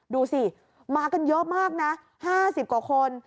ดูสิมากันเยอะมากนะ๕๐กว่าคน